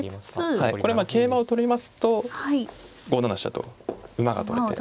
これ桂馬を取りますと５七飛車と馬が取れて。